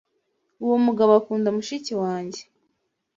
Uwo mugabo akunda mushiki wanjye.